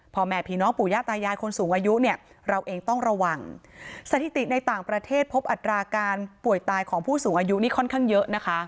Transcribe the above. พ่อแม่ผีน้องปู่ย่าตายายคนสูงอายุเนี่ยเราเองต้องระวังสถิติในต่างประเทศพบอัตราการป่วยตายของผู้สูงอายุนี่ค่อนข้างเยอะนะคะ